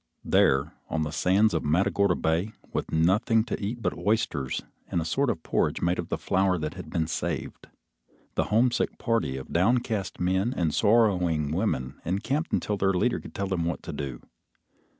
There, on the sands of Matagorda Bay, with nothing to eat but oysters and a sort of porridge made of the flour that had been saved, the homesick party of downcast men and sorrowing women encamped until their leader could tell them what to do.